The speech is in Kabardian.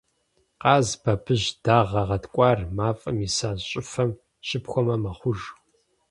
Къаз, бабыщ дагъэ гъэткӀуар мафӀэм иса щӀыфэм щыпхуэмэ мэхъуж.